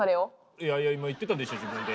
いやいや今言ってたでしょ自分で。